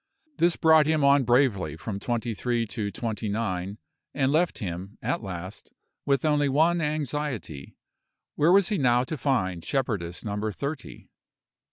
This brought him on bravely from twenty three to twenty nine, and left him, at last, with only one anxiety where was he now to find shepherdess number thirty?